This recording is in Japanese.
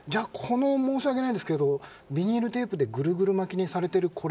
申し訳ないですけどビニールテープでぐるぐる巻きにされている